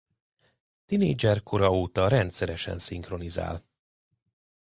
Tinédzserkora óta rendszeresen szinkronizál.